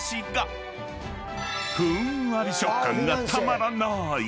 ［ふんわり食感がたまらなーい］